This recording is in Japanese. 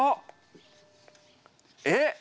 えっ？